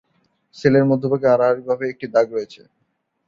Sell এর মধ্যভাগে আড়াআড়ি ভাবে একটি দাগ রয়েছে।